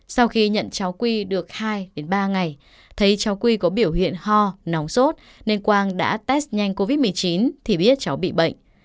sau khi nhận cháu quy được hai đến ba ngày thấy cháu quy có biểu hiện ho nóng sốt nên quang đã test nhanh covid một mươi chín thì biết cháu bị bệnh